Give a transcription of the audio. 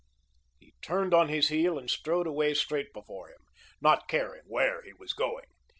He turned on his heel and strode away straight before him, not caring where he was going.